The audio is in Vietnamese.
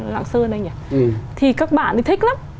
lạng sơn đây nhỉ thì các bạn thì thích lắm